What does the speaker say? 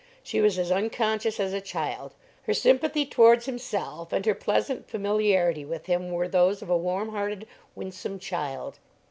She was as unconscious as a child; her sympathy towards himself and her pleasant familiarity with him were those of a warm hearted, winsome child.